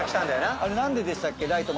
あれ何ででしたっけ？